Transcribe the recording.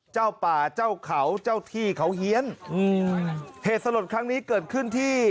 เจ้าป่าเจ้าเขาเจ้าที่เขาเฮียนอืมเหตุสลดครั้งนี้เกิดขึ้นที่